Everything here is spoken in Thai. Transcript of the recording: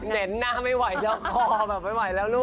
เน้นหน้าไม่ไหวแล้วคอแบบไม่ไหวแล้วลูก